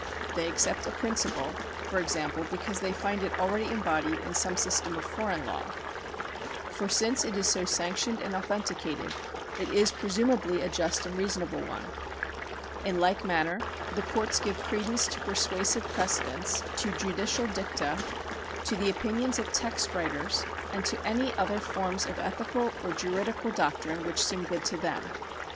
They accept a principle, for example, because they find it already embodied in some system of foreign law. For since it is so sanctioned and authenticated, it is presumably a just and reasonable one. In like manner the courts give credence to persuasive pre cedents, to judicial dicta, to the opinions of text writers, and to any other forms of ethical or juridical doctrine which seem good to them.